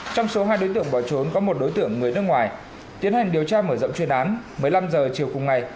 trong số hai đối tượng bỏ trốn có một đối tượng người nước ngoài tiến hành điều tra mở rộng chuyên án một mươi năm h chiều cùng ngày